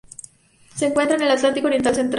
Se encuentra en el Atlántico oriental central.